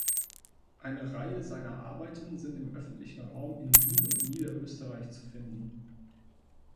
Eine Reihe seiner Arbeiten sind im öffentlichen Raum in Wien und Niederösterreich zu finden.